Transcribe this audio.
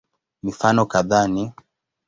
Mifano kadhaa ni